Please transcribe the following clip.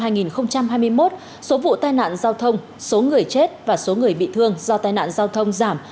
năm hai nghìn hai mươi một số vụ tai nạn giao thông số người chết và số người bị thương do tai nạn giao thông giảm